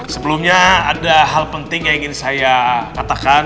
sebelumnya ada hal penting yang ingin saya katakan